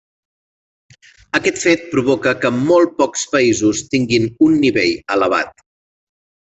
Aquest fet provoca que molt pocs països tinguin un nivell elevat.